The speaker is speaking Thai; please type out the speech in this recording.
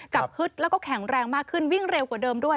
ฮึดแล้วก็แข็งแรงมากขึ้นวิ่งเร็วกว่าเดิมด้วย